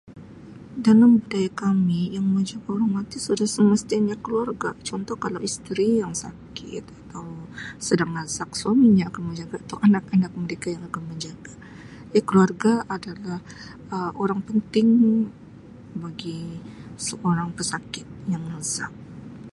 Dalam budaya kami yang menjaga orang mati semestinya keluarga contoh kalau isteri yang sakit atau sedang nazak, suaminya akan menjaga atau anak-anak mereka yang akan menjaga,[Um] keluarga adalah orang Um penting bagi seorang pesakit yang nazak.